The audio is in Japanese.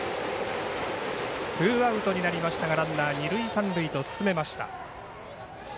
ツーアウトになりましたがランナー二、三塁と進めました。